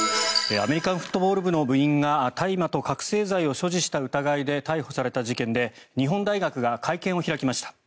アメリカンフットボール部の部員が大麻と覚醒剤を所持した疑いで逮捕された事件で日本大学が会見を開きました。